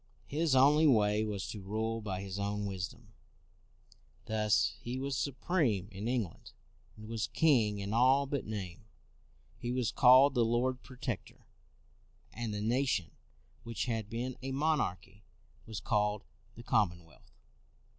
His only way was to rule by his own wisdom. Thus he was supreme in England, and was king in all but name. He was called the Lord Protector, and the nation which had been a monarchy was called the Com monwealth.